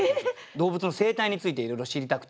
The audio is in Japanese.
動物の生態についていろいろ知りたくて。